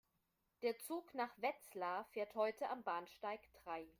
Der Zug nach Wetzlar fährt heute am Bahnsteig drei